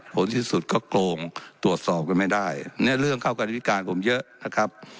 ที่สุดก็โกงตรวจสอบกันไม่ได้เนี่ยเรื่องเข้ากันพิการผมเยอะนะครับ